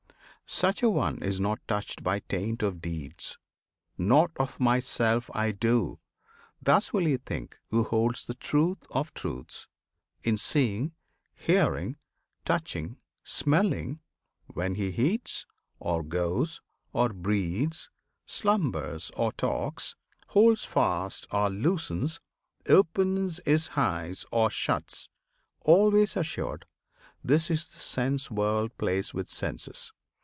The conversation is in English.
Such an one is not touched By taint of deeds. "Nought of myself I do!" Thus will he think who holds the truth of truths In seeing, hearing, touching, smelling; when He eats, or goes, or breathes; slumbers or talks, Holds fast or loosens, opes his eyes or shuts; Always assured "This is the sense world plays With senses."